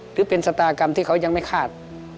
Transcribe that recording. หรือเป็นชะตากรรมที่เขายังไม่คาด